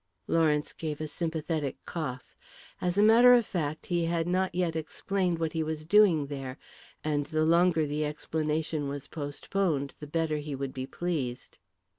Lawrence gave a sympathetic cough. As a matter of fact, he had not yet explained what he was doing there, and the longer the explanation was postponed the better he would be pleased.